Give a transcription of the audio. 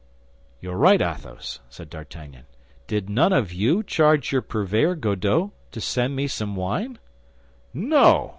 "You are right, Athos," said D'Artagnan. "Did none of you charge your purveyor, Godeau, to send me some wine?" "No!